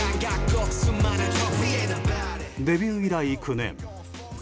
デビュー以来９年。